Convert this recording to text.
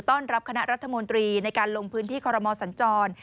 ต้อนรับคณะรัฐมนตรีในการลงพื้นที่คอรมอสัญจร